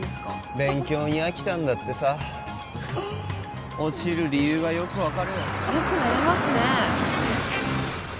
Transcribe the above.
勉強に飽きたんだってさ落ちる理由がよく分かるよよく寝れますね